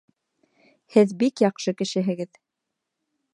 Һеҙ бик яҡшы кешеһегеҙ!